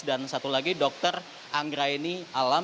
dan satu lagi dokter anggraini alam